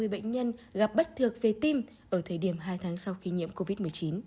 hai mươi sáu mươi bệnh nhân gặp bất thược về tim ở thời điểm hai tháng sau khi nhiễm covid một mươi chín